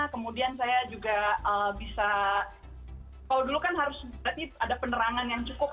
kemudian saya juga bisa kalau dulu kan harus berarti ada penerangan yang cukup